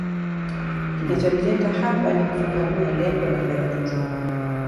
kilichonileta hapa ni kufafanua lengo la fedha hizo